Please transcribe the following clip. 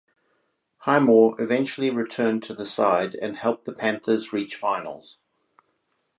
Highmore eventually returned to the side and helped the Panthers reach finals.